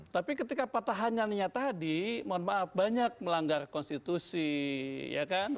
tapi ketika petahannya nyata di mohon maaf banyak melanggar konstitusi ya kan